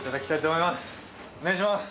お願いします。